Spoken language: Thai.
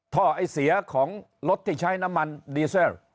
ไอ้เสียของรถที่ใช้น้ำมันดีเซล